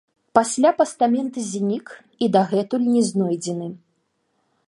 Пасля пастамент знік і дагэтуль не знойдзены.